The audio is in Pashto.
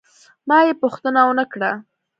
ما یې پوښتنه ونه کړه.